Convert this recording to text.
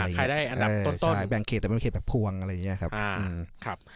ใครได้อันดับต้นแบ่งเขตแต่เป็นเขตแบบพวงอะไรอย่างนี้ครับ